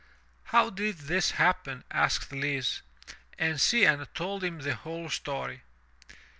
"How did this happen?" asked Lise, and Cianne told him the whole story.